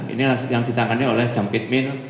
ini yang ditangani oleh jump it mill